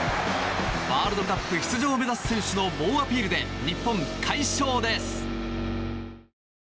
ワールドカップ出場を目指す選手の猛アピールで日本、快勝です。